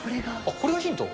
これがヒント？